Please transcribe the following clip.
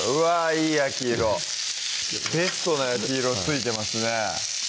いい焼き色ベストな焼き色ついてますね